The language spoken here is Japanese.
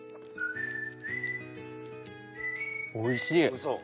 おいしい！